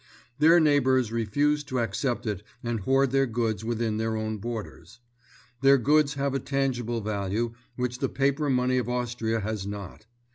Their neighbours refuse to accept it and hoard their goods within their own borders. Their goods have a tangible value, which the paper money of Austria has not.